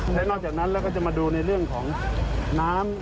และนอกจากนั้นเราก็จะมาดูในเรื่องของน้ำ